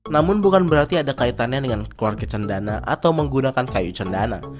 namun bukan berarti ada kaitannya dengan keluarga cendana atau menggunakan kayu cendana